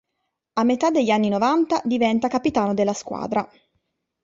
A metà degli anni novanta diventa capitano della squadra.